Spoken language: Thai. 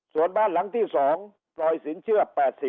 ส่วนบ้านหลังที่๒พลอยสินเชื่อ๘๐